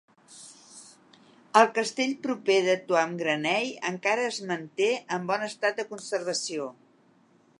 El castell proper de Tuamgraney encara es manté en bon estat de conservació.